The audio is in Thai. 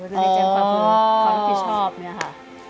ไม่ได้แจ้งความรู้เขาก็ผิดชอบเนี่ยค่ะ